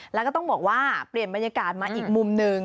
แล้วก็ต้องบอกว่าเปลี่ยนบรรยากาศมาอีกมุมหนึ่ง